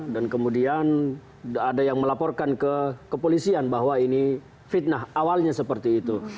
dan kemudian ada yang melaporkan ke polisian bahwa ini fitnah awalnya seperti itu